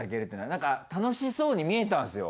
なんか楽しそうに見えたんですよ。